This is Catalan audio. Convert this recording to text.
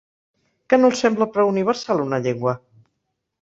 Que no els sembla prou universal, una llengua?